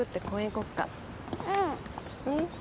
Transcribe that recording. うん？